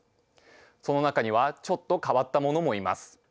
その中にはちょっと変わったものもいます。